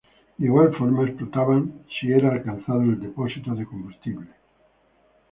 De igual forma explotaban si era alcanzado el depósito de combustible.